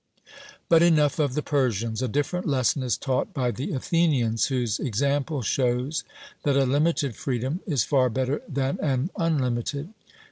But enough of the Persians: a different lesson is taught by the Athenians, whose example shows that a limited freedom is far better than an unlimited.